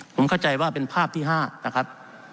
ผมเข้าใจว่าเป็นภาพที่๕นะครับ